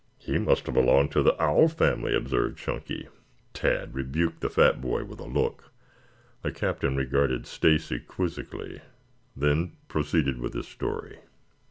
"He must have belonged to the owl family," observed Chunky. Tad rebuked the fat boy with a look. The Captain regarded Stacy quizzically, then proceeded with his story.